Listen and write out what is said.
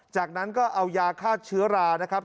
จากนั้นก็เอายาฆ่าเชื้อรานะครับ